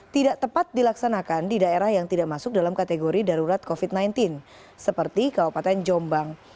tidak tepat dilaksanakan di daerah yang tidak masuk dalam kategori darurat covid sembilan belas seperti kabupaten jombang